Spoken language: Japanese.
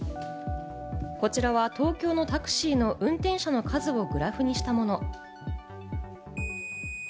こちらは東京のタクシーの運転者の数をグラフにしたもの。